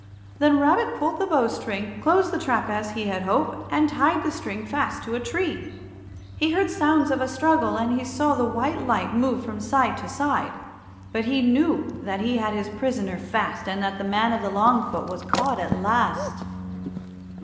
Then Rabbit pulled the bow string, closed the trap as he had hoped, and tied the string fast to a tree. He heard sounds of a struggle, and he saw the white light move from side to side, but he knew that he had his prisoner fast and that the man of the long foot was caught at last.